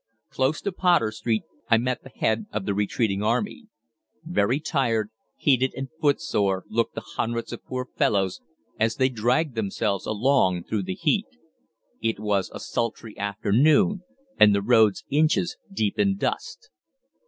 Close to Potter Street I met the head of the retreating army. Very tired, heated and footsore looked the hundreds of poor fellows as they dragged themselves along through the heat. It was a sultry afternoon, and the roads inches deep in dust.